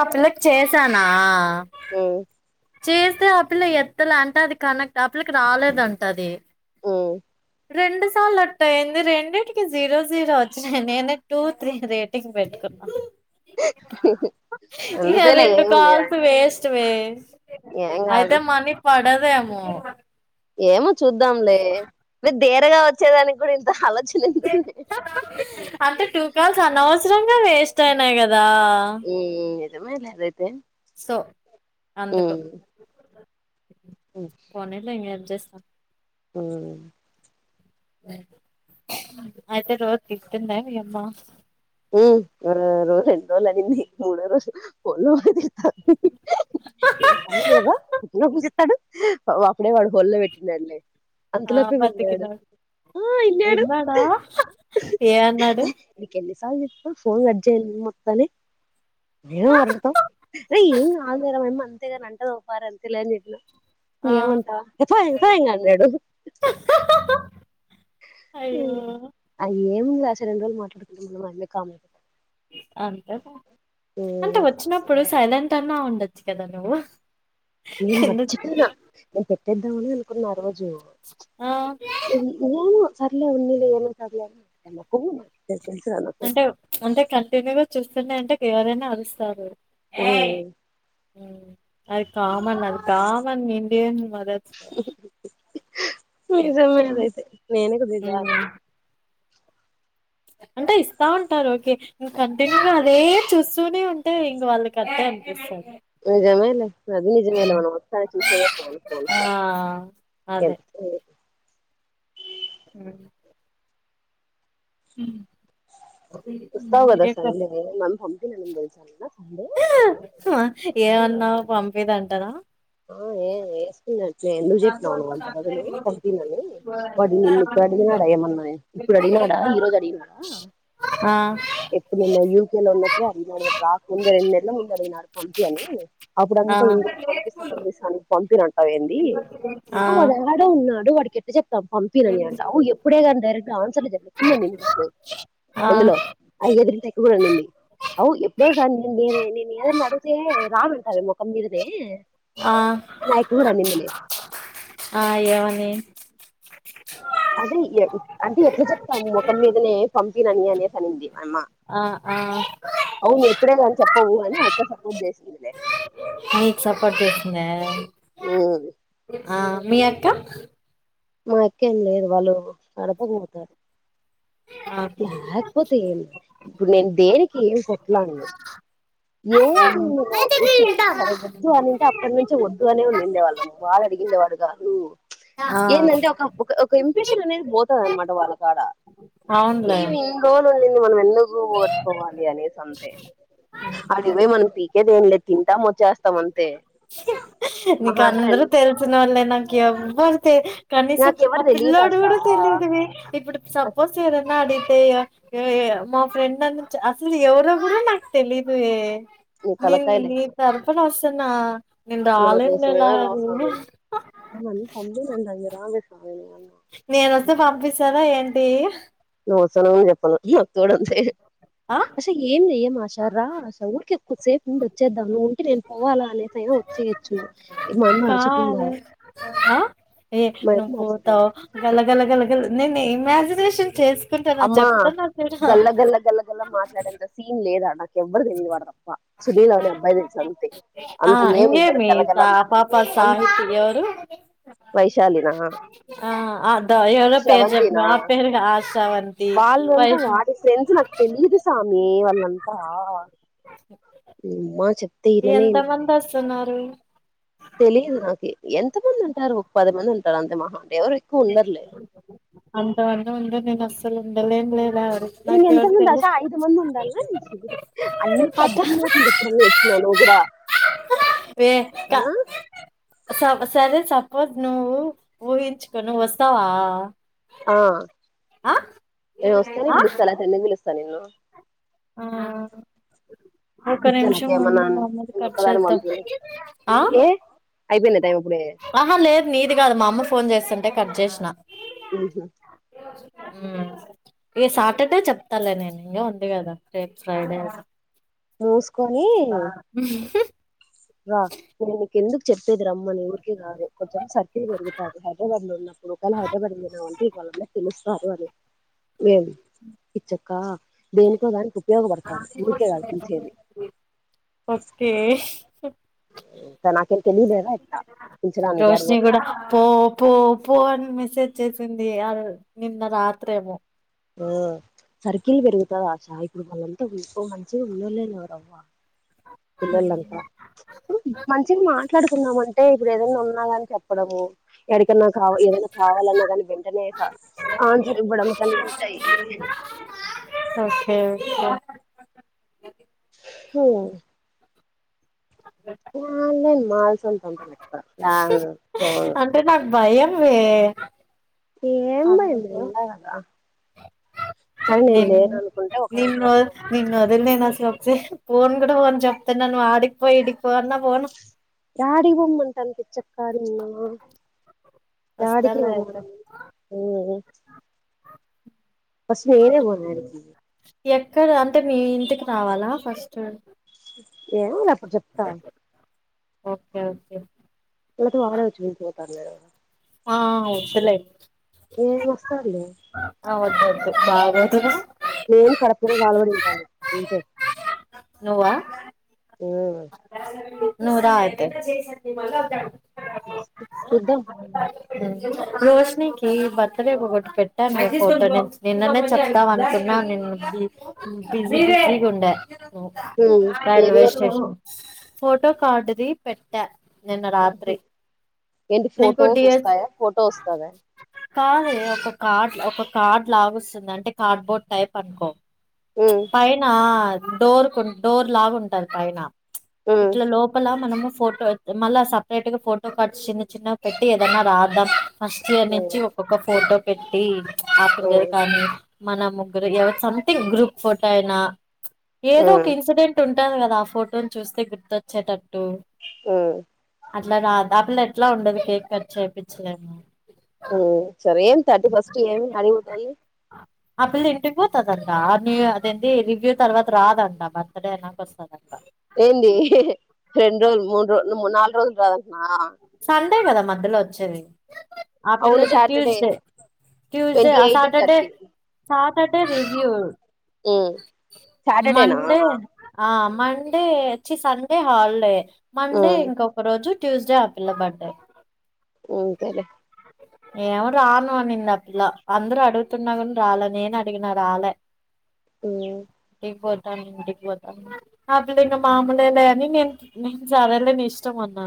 ఆ పిల్లకు చేసానా ఉమ్ చేస్తే ఆ పిల్ల ఎత్తలే అంటే అది కనెక్ట్ ఆపిల్లకి రాలేదంట అది ఊ లట్ అయింది రెండింటికి జీరో జీరో వచ్చినాయి నేనే టూ త్రీ రేటింగ్ పెట్టుకున్నా ఇకకా అంతేలే రెండు ఏముంది కాల్స్ గాని వేస్ట్ వే ఏం అయితే కాదు మనీ పడదేమో ఏమో చూద్దాంలే మీరు దేరగా వచ్చేదానికి కూడా ఆలోచన ఎందుకు అంటే టూ కాల్స్ అనవసరంగా వేస్ట్ అయినాయి కదా రా ఉమ్ సో ఆ పోనలే ఇం అడ్జస్ట్ అ అయితే రోజు తితుంద అమ్మ ఉ రోజ రెండు రోజలడి మూడు రోజ పో ఏ లేవా పూ చెిస్తాడు అప్పుడే వాడు హోల్ల్లో పెట్టిందండి ఆ అంతలోపే విళడు బతికినాడు ఆ ఎన్నను విన్నాడా ఏ అన్నాడు ఎక స ఫోన్ గజజా మొత్తని మేమ మాట్లాడతాం అరే ఏం కాాలదరా మేమ అంతేగాని అంటదపార అంత లేని చెప్పిన ఆ ఏమంట ఎప్ప ఎఫ ఇన్గా అన్నాడు అయ్యో ఏముందిలే అసల రెండు రోజులు మాట్లాడుకుంటె వలె కామ్ అయిపోతారు అంతలే అంత వచ్చినప్పుడు సైలెంట్ తనా ఉండచ్చి కదా నువ్వు నేను కింద మర్చిపోనా చూ- నేను పెట్టేద్దామనే అనుకున్నా ఆ రోజు ఆ హ్మ్ ఏను సర్లే ఉన్నలే ఏమంటర్లే అనుకుంటాం కన్ అంటే అంటే కంటిన్యూగా చూస్తుండే అంటే ఎవరైనా అరుస్తారు హ్మ అది కామన్ అది కామన్ నిడిే మద నిజమే ఆది అయితే నేనే కొదిగా దాబెట్టుకున్న అంటే ఇస్తా ఉంటారు ఓకే ఇ కంటిన్యూగా అదే చూస్తూనే ఉంటే ఇంక వాళ్ళ కట్టే [unintelligible] నిజమేలే అది నిజమేలే మనం మొత్తాన్నికి చూసేదే పోన్ ఫోన్ ఆ ఫోన్ [unintelligible] హ్మ హ్మ వస్తావుకదా సండే మనం [unintelligible] సరేనా ఆ ఏమన్నావు పంపిదంటన ఆ ఏ యేసుకున్నాను లే ఎందుకు చెప్పినావు నువ్వు అంత బదులు పంపిమని వాడు నిన్న ఇప్పుడు అడిగినాడ ఏమన్నా ఇప్పుడు అడిగిన డా ఈరోజు అడిగనాడా ఆ ఎప్పుడు నువ్వు యూకే లో ఉన్నప్పుడే అడిగినడు నువ్వు రాక ముందే రెండు నెలల ముంద అడిగినడు పంపి అని ఆ పంపిస్తాను పంపినంటావ్ ఏంది ఆ వాడు యాడో ఉన్నాడు వాడికిెప్పి చెప్ పంపిిన అని అంటవ్ ఎప్పుడే కానీ డైరెక్ట్ ఆన్సర్లు ఆ [unintelligible] అందులో ఆ ఎదురి ఇంటి అక్క కూడా అన్నింది అవు ఏప్పుడే కానీ నేను ఏదైన ఏదన్నా అడిగితే రాన్ అంటావే మొఖం మీదనే ఆ నా ఎక్క కూడా నిందిలే ఆ ఏమని అదే అంటే ఎట్లా చెప్తాము ముఖం మీదనే పంపినని అనేసి అనింది అయమ్మ ఆ ఆ అవును ఎప్పుడే కాని చెప్పవు అని అయిక్క సపోర్ట్ చేసిందిలే నీకు సపోర్ట్ ఉమ్. చేసిందా మీఎక్క మా ఎక్కే ఏం లేదు వాళ్ళు నడప [unintelligible] ఆహా లేకపోతే ఏంది ఇప్పుడు నేను దేరి ఏం కోట్లాను ఎంది నువ్వు సరే వద్దు అనింటే అప్పటి నుంచిే వద్దు అనే ఉండిడేవాళ్ళము వాళ్ళ అడిగిండేవాడు కాదు ఆ ఏంది అంటే ఒక ఒక ఇంప్రెషన్ అనేది పోతాది అనమాట వాళ్ళ కాడ అవునులే ఏమి ఎన్ని రోజులు ఉన్నది మనం ఎందుకు పోగట్టుకోవాలి అనేసి అంతే అడికి పోయి మనం పీకేది ఏం లేదు తింటాము వచ్చేస్తాం అంతే నీక మహా అంటే అందరూ రెండు తెలిసినోళ్ళే నాకు ఎవ్వరు తే కనీసం ఆ నాకెవరు తెలీదు పిల్ల్లోడు ఆశ కూడా తెలిదువె ఇప్పుడు సపోజ్ ఎవరన్న అడి తె మా ఫ్రెండ్ అనీ అసలు ఎవరో కూడా నాకు తెలీదు వే నీ నేను తలకాయలే నీ తరపున వస్తన్నా నా రాలెన్ లే కోసం ఎవరు రావు నాగు స్వామి నన్ను పంపినండి అంగ రావే స్వామి నేనొస్తే పంపిస్తారా ఏంటి నువ్వ వస్తానవని చెప్పాలా ఒక తోడు అంతే ఆ అసల ఏం చెయ్య ఆషర్రా ఆ వూరికే కిది సేపు ఉండి వచ్చేద్దాం నువ్వు ఉంటే నేను పోవాలా అనేది అయినా వచ్చేయొచ్చు కదే ఆ ఏ మా ను్ యమ్మ అరుచకుండా పోతావ్ గల గలా గలగల్ నేను ఇమాజినేషన్ చేసుకుంటాను అమ్మా చెప్తాను క గల్ల గల్ల గల్ల గల్ల మాట్లాడేంత సీన్ లేదాడ నాకు ఎవ్వరు తెలియదు వాడు తప్ప సునీల్ అనే అబ్బాయి తెలుసు అంతే ఆ అంత ఏం ఇంగే ఉండదు మీ గల్ల గల్ల పాప సాహితి ఎవరు వైశాలిన ఆ అద డయల్ పేరు చెప్పినం ఆ పేరు కాదు శ్రవంతి వైఫ్ నక్ తెలిదు స్వామి వల్ంతా నిమా చెప్ప ఎంత మంది వస్తున్నారు తెలిదు నాకు ఎంతమంది ఉంటారు పది మంది ఉంటారు అంతే మహా ఎవరు ఎక్కువ ఉండర్లే అంతమంది ముందు నేను అస్సలు ఉండలేన్ లే న ఎంతంది ఆశ ఐదు మంది ఉండాలి న్నికి అని పేద అట్లా మాటలు చూపు నువు హలో గురా వే క స సరే సపోజ్ నువ్వు వుహించుకో నువు వస్తావా ఆ ఆ నేను వస్తా న ఆ పిలుస్తా అ తెల్లిని పిలుస్తాను నేన్నను ఆ ఒక పిచ్చా నిమిషం నాకేమన్నా ఉండు మమది నేను ఖర్చు ఒక్కదాని అతా హా అయిపోన టైమ్ ఆహా లేదు నీది కాదు మా అమ్మ ఫోన్ చేస్తుంటే కట్ చేసిన ఆహా హమ్ ఈ సాటర్డే చెప్తాలే నేను ఇంకా ఉంది కదా టైమ్ ఫ్రైడే అ మూసుకొని రా నిక్ ఎందుకె దు రమ్మని ఊరికే కాదు కొంచెం సర్కిలు పెరుగుతంది హైదరాబాద్ లో ఉన్నప్పుడు ఒకవేళ హైదరాబాద్లోదమ అంటే ఇంకావలందరికీ తెలుసు ర పోవాలి వే ఇచ్చక్క దేనికో ఉపయోగపడతారు ఊరికే కాదు పిలిచేది ఓకే ఇంకా నాకేం తెలియలేదా ఎట్లా పిలిచడానికి రోషని అడిగి కూడా పో పో ఫోన్ మెసేజ్ చేసింది అ నిన్న రాత్రేమో ఆ సర్కిల్ పెరుగుతుదా చ ఎపుడు వలంత వ మంచిగా ఉళలేని వరవ్వ పిల్లలంతా మంచిగా మాట్లాడుకుందా అంటే ఇప్పుడు ఏదైనా ఉన్నాదని చెప్పడము ఎడికన్నా కావాల ఏదైనా కావాలన్నా కాని వెంటనే ఆన్సర్ ఇవ్వడం కాని ఉంటాయి అ ఫస్ట్ హమ్ న మాల్సంట ఉంటప్ప పోను అంటే నాకు భయం వే ఏం భయం అందుకు నేన ఉన్న కధ నేను నిన్న పోతాను నిన్న వదలేను ఆసాలు సే పోన్ కూడా పోన్ చెప్తాను నువ్ ఆడికి పో ఇడికిపో అన్నా పోను యాడికి పో మంతన పిచక నిన్ను యాడికి వస్తాలే పో అయితే మానను హమ్ ఫస్ట్ నేనే పాన్ యాడికి ఎక్కడ అంటే మీ ఇంటికి రావాలా ఫస్ట్ ఏమో లే అపుడు చెప్తా ఓకే ఓకే లేక వాలే వచ్చిన పీల్చ్కొంపోతర్ లే ఆ వదులే ఏం వస్తాంలే బాగోతదో [unintelligible] ఉంటే నువ్వా ఉమ్ నువ్వు రా అయితే చూద్దాం రోషనీకి బర్త్డే ఒకటి పెట్టాను ఒక నిన్ననే చేద్దాం అనుకున్నా న ని బి బిజీగుండె ఉమ్ ఏది రైల్వే పెట్టినా స్టేషన్ ఫోటో కార్డుది పెట్ట నిన్న రాత్రి ఏంటి నీకు ఫోటోస్ డిఎస్ వస్తాయా ఫోటో వస్తదా కాదే ఒక కార్డ్ ఒక కార్డ్ లాగా వస్తుంది అంటే కార్డ్బోర్డ్ టైప్ అనుకో ఉమ్ పైన డోర్ కు డోర్ లాగా ఉంటది పైన ఉమ్ ఇట్ల లోపల మనము ఫోటో మళ్ళా సపరేట్ గా ఫోటో కట్చ చిన్న పెట్టి ఏదైనా రాద్దాం ఫస్ట్ ఇయర్ ఉమ్ నుంచి ఒక్కొక్క ఫోటో పెట్టి ఆ పిల్లేదు ఉమ్ కానీ మన ముగ్గురు ఎవరు సంథింగ్ గ్రూప్ ఫోటో అయినా ఏదో ఒక ఉమ్ ఇన్సిడెంట్ ఉంటాది కదా ఆ ఫోటోని చూస్తే గుర్తొచ్చేటట్టు ఆ అట్లా రాదా ఆ పిల్ల ఎట్లా ఉండదు కేక్ కట్ చేపిచ్చినట్టు ఊమ్ సరే ఏం తట్టీ ఫస్ట్ ఏమ్ కలి ఉంటది ఆ పిల్ల ఇంటికి పోతాదంటా ఆర్నీ అదేంది రివ్యూ తర్వాత రాదంట బర్త్డే అయినాక వస్తా ఏందీ ఇహిహి రెండ్రోజుల్ మూడ్రోజుల్ మూన్నారోజులు రాదంట్నా అంతే కదా మధ్యలో వచ్చేది ఆ అవును పిల్లది సాటర్డే ట్యూస్డే ట్యూస్డే ట్వంటీ ఆ ఎయిట్ సాటర్డే థర్టీ సాటర్డే రిజ్యూడ్ ఉమ్ సాటర్డేనా మండే ఆ మండే ఛీ సండే హాలిడే మండే ఉమ్ ఇంకొక రోజు ట్యూస్డే ఆపిల్ల బర్డే ఊంతే లే ఏమో రాను అనింది ఆపిల్ల అందరూ అడుగుతున్నా గూని రాలే నేను అడిగినా రాలే ఊ ఇంటికి పోతాను ఇంటికి పోతాను ఆపిల్ల ఇంక మామూలేలే అని నేన్ నేన్ సరేలే నీ ఇష్టం అన్ న్న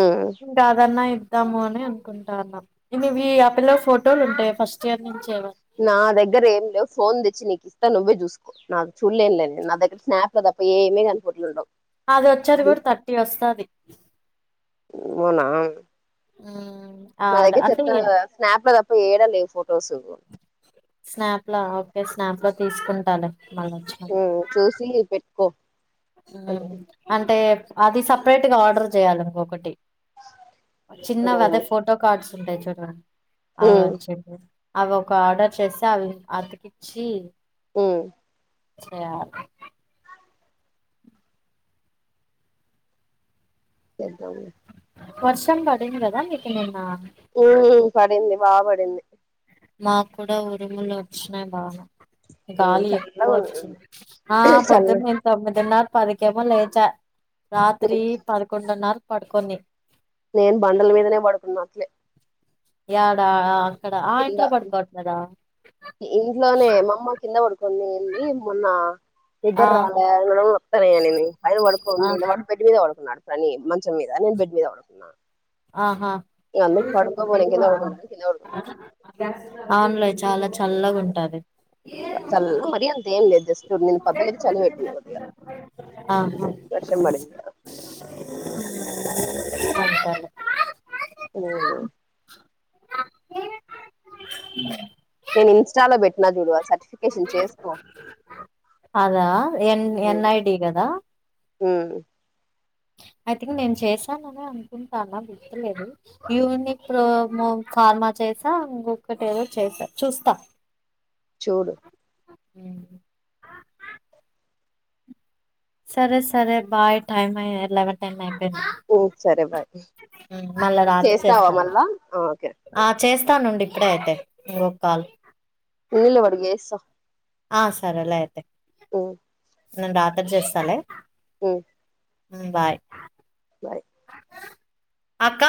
ఉమ్ ఇంకాదన్నాయ్ ఇద్దాము అని అనుకుంటాన్నా ఇవివి ఆపిల్ల ఫోటోలు ఉంటాయి ఫస్ట్ ఇయర్ నుంచే నా దగ్గర ఏం లేవ్ ఫోన్ తెచ్చి నీకిస్తా నువ్వే చూసుకో నాకు చూడ్లేన్లే నేన్ నా దగ్గర స్నాప్ లో తప్ ప్ప ఏమే గాని ఫోట్లుండవ్ అది వచ్చేది గూడ థర్టీ వస్తాది ఊఅన్నా ఆ నా దగ్గర చెప్తాండ్లేదా స్నాప్ లో తప్ప ఏడ లేవ్ ఫొటోసు స్నాప్ లా ఓకే స్నాప్ లో తీసుకుంటాలే మళ్ళొచ్చినప్పుడు. ఊఊ చూసి పెట్టుకో అని. ఊమ్ అంటే అది సపరేట్ గా ఆర్డర్ చేయాలి ఇంకొకటి ఉమ్ చిన్నవదే ఫోటో కార్డ్స్ ఉంటాయి చూడరా అవి ఉమ్ వచ్చింది అవి ఒక ఆర్డర్ చేసి అవి అతికిచ్చి ఊ ఛప్ చేద్దాం లే వర్షం పడింది గదా మీక్ నిన్న ఊ పడింది బా పడింది మాకు కూడా ఉరుములు వచ్చినాయి బా ఉమ్ గాలి ఎక్కువ చల్లగా వచ్చింది ఉంది ఆ చల్ల పొద్దున్నే తొమ్మిదిన్నర్ పదికేమో లేచా రాత్రి పదకొండున్నరక్ పడుకొని నేన్ బండల మీదనే బడుకున్న అట్లే యాడా ఆ అక్కడ ఆ ఇంట్లో పడుకోవట్లేదా ఇంట్లోనే మాఅమ్మ కింద పడుకొనింది మొన్న ఆ నిద్దర్రాలే నడుముల్నొత్తాయనింది పైన పడుకోం ఆ నిలబడ్ బెడ మీద పడుకున్నాడు అని మంచం మీద నేను బెడ్ మీద పడుకున్నా ఆహా ఇగ అందుకు పడుకోబోలే కింద పడుకుంటాను కింద పడుకున్నా ఆన్లై చాలా చల్లగుంటాది చల్ మరీ అంత ఏం లేదు జస్ట్ నిన్న పొద్దునైతే చలి పెట్టింది కొద్దిగా ఆహా వర్షం పడింది కదా ఊ [unintelligible] ఊమ్ నేన్ ఇన్స్టాలో భెట్నా జూడు ఆ సర్ట్ అదా ఎన్ ఎన్ ఐ డి గదా ఊ ఐథింక్ నేను చేశాననే అనే అనుకుంటాన్నా గుర్తులేదు యూనిక్రోము కార్మాచ చేసా ఇంగొక్కటి ఏదో చేసా చూస్తా చోడు హ సరే సరే బాయ్ టైమ్య్ ఎలవెన్ టైమ్యి మ్మ్ సరే బాయ్ మళ్ళా రాత్ర చేస్తావా చేస్తాను మళ్ళా ఆ ఓకే చేస్తానుండి ఇప్పుడే అయితే ఇంొ కాల్ నిలబడి గస్త ఆ సర ఎలా అయితే ఆ నన్ను రాత్ర చేస్తాలే ఆ బాయ్ అక్క